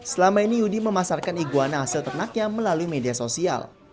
selama ini yudi memasarkan iguana hasil ternaknya melalui media sosial